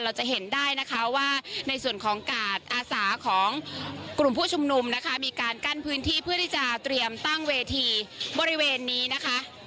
เราจะเห็นได้นะคะว่าในส่วนของการอาสาของกลุ่มผู้ชุมนุมนะคะมีการกั้นพื้นที่เพื่อที่จะเตรียมตั้งเวทีบริเวณนี้นะคะ